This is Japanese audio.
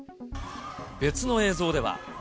別の映像では。